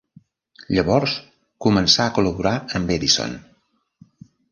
Llavors començà a col·laborar amb Edison.